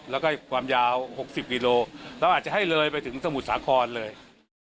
แล้วก็ความยาว๖๐กิโลเราอาจจะให้เลยไปถึงสมุทรสาครเลย